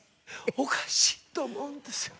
おかしいと思うんですよ。